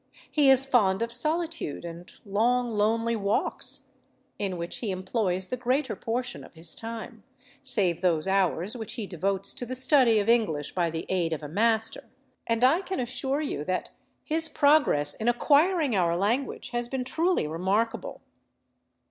He is fond of solitude and long lonely walks, in which he employs the greater portion of his time—save those hours which he devotes to the study of English by the aid of a master; and I can assure you that his progress in acquiring our language has been truly remarkable."